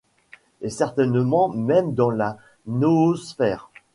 et certainement même dans la noosphère.